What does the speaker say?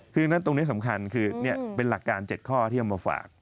คือฉะนั้นตรงนี้สำคัญคือเป็นหลักการ๗ข้อที่เอามาฝาก